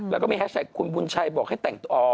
แล้วก็มีแฮชแท็กคุณบุญชัยบอกให้แต่งตัว